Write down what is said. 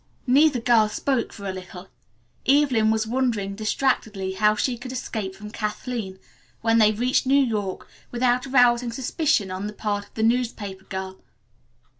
Neither girl spoke for a little. Evelyn was wondering distractedly how she could escape from Kathleen, when they reached New York, without arousing suspicion on the part of the newspaper girl.